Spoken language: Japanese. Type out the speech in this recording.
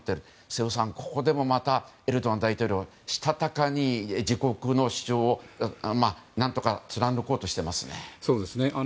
瀬尾さん、ここでもまたエルドアン大統領したたかに自国の主張を何とか貫こうとしていますね。